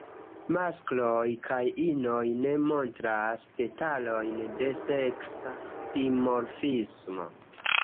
Maskloj kaj inoj ne montras detalojn de seksa dimorfismo.